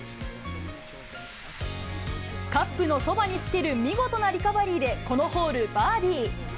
カップのそばにつける見事なリカバリーで、このホール、バーディー。